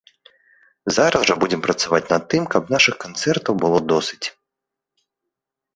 Зараз жа будзем працаваць над тым, каб нашых канцэртаў было досыць!